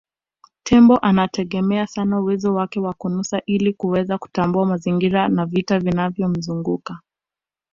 Tembo anategemea sana uwezo wake wa kunusa ili kuweza kutambua mazingira na vitu vinavyomzunguka